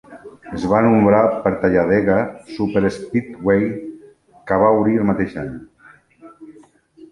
Es va nombrar per Talladega Superspeedway, que va obrir el mateix any.